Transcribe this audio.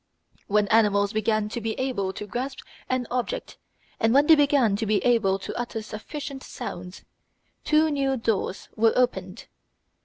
When animals began to be able to grasp an object and when they began to be able to utter sufficient sounds, two new doors were opened.